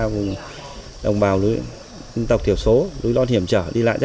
vùng đồng bào lưu tộc thiểu số lưu đoan hiểm trở đi lại rất là khó khăn